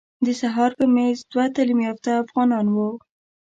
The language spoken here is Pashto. د سهار په میز دوه تعلیم یافته افغانان وو.